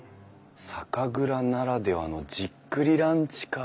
「酒蔵ならではのじっくりランチ」か。